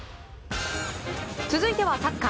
続いてはサッカー。